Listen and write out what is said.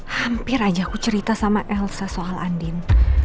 hampir aja aku cerita sama elsa soal andin